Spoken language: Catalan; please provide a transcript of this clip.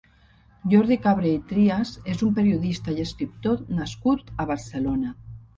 Jordi Cabré i Trias és un periodista i escriptor nascut a Barcelona.